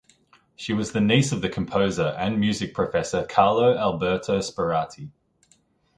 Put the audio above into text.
She was the niece of the composer and music professor Carlo Alberto Sperati.